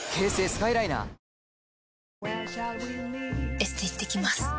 エステ行ってきます。